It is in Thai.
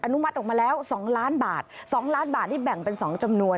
นุมัติออกมาแล้ว๒ล้านบาท๒ล้านบาทนี่แบ่งเป็น๒จำนวน